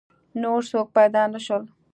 نور څوک پیدا نه شول.